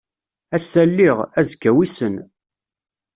Ass-a lliɣ, azekka wissen.